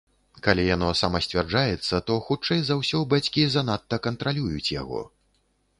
Калі яно самасцвярджаецца, то, хутчэй за ўсё, бацькі занадта кантралююць яго.